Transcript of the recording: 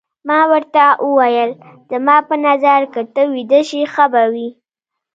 ما ورته وویل: زما په نظر که ته ویده شې ښه به وي.